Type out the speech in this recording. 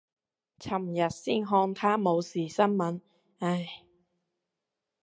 琴日先看他冇事新聞，唉。